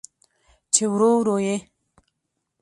چې ورو، ورو یې